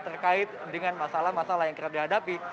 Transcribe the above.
terkait dengan masalah masalah yang kira kira dihadapi